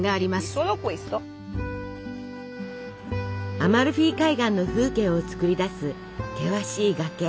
アマルフィ海岸の風景をつくり出す険しい崖。